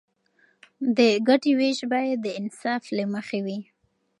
د ګټې ویش باید د انصاف له مخې وي.